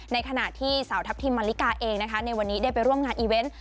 ในขณะที่สาวทัพทิมมาลิกาเองนะคะในวันนี้ได้ไปร่วมงานอีเวนต์